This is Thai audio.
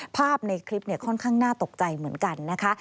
ภาพในคลิปค่อนข้างน่าตกใจเหมือนกันนะคะ